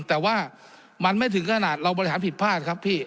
แต่ว่ามันไม่ถึงขนาดเราบริหารผิดพลาดครับพี่